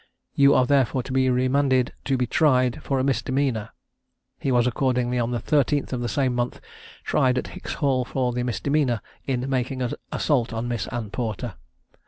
You are therefore to be remanded to be tried for a misdemeanor." He was accordingly, on the 13th of the same month, tried at Hicks's Hall for the misdemeanor, in making an assault on Miss Anne Porter.